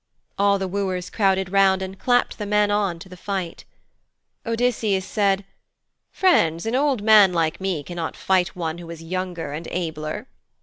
All the wooers crowded round and clapped the men on to the fight. Odysseus said, 'Friends, an old man like me cannot fight one who is younger and abler.'